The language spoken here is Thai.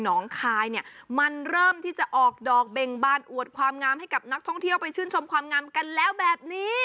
งคายเนี่ยมันเริ่มที่จะออกดอกเบ่งบานอวดความงามให้กับนักท่องเที่ยวไปชื่นชมความงามกันแล้วแบบนี้